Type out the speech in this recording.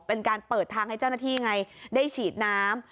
เป็นการเปิดทางให้เจ้าหน้าที่ไงได้ฉีดน้ำ